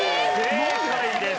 正解です。